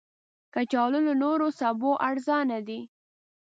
کچالو له نورو سبو ارزانه دي